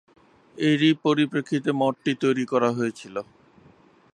এরই পরিপ্রেক্ষিতে মঠটি তৈরি করা হয়েছিল।